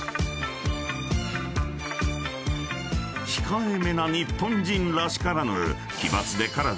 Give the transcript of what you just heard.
［控えめな日本人らしからぬ］